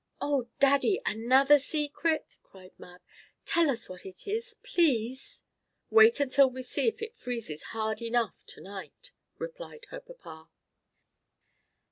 "Oh Daddy! Another secret!" cried Mab. "Tell us what it is, please!" "Wait until we see if it freezes hard enough to night," replied her papa.